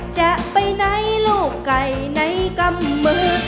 จะไปไหนลูกไก่ไหนกำมือ